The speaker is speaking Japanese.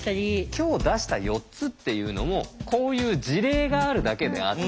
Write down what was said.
今日出した４つっていうのもこういう事例があるだけであって。